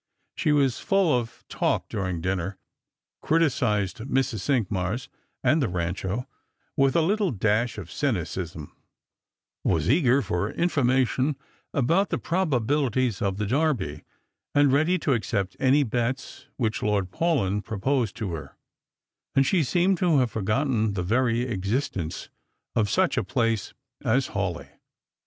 She was full of talk during dinner ; criticised Mrs. Cinqmars and the Rancho with a little dash of cynicism ; was eager for information upon the probabilities of the Derby, and ready to accept any bets which Lord Paulyn proposed to her ; and she seemed to have forgotten the very existence of such a place as Hawleigh.